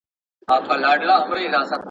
ولي ځيني هیوادونه هوکړه نه مني؟